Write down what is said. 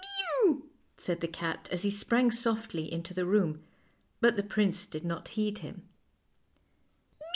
O " Mew," said the cat, as he sprang softly into the room; but the prince did not heed him.